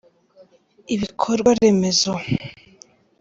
Ibikorwaremezo.